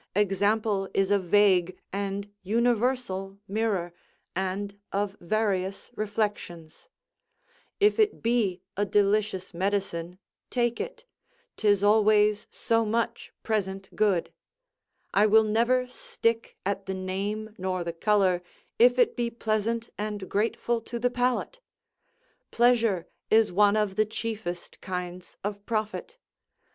Example is a vague and universal mirror, and of various reflections. If it be a delicious medicine, take it: 'tis always so much present good. I will never stick at the name nor the colour, if it be pleasant and grateful to the palate: pleasure is one of the chiefest kinds of profit.